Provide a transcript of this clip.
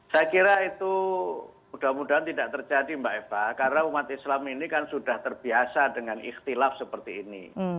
saya kira itu mudah mudahan tidak terjadi mbak eva karena umat islam ini kan sudah terbiasa dengan ikhtilaf seperti ini